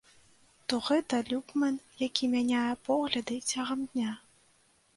То гэта люмпэн, які мяняе погляды цягам дня.